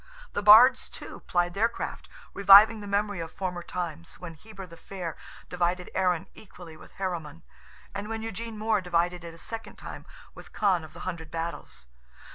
The Bards, too, plied their craft, reviving the memory of former times, when Heber the Fair divided Erin equally with Heremon, and when Eugene More divided it a second time with Con of the Hundred Battles.